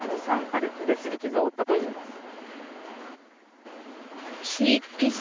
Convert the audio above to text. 歩きですり傷を負ったといいます。